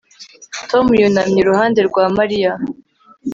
Tom yunamye iruhande rwa Mariya